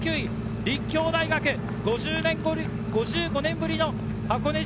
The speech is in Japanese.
立教大学、５５年ぶりの箱根路。